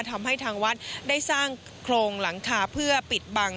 ทำให้ทางวัดได้สร้างโครงหลังคาเพื่อปิดบัง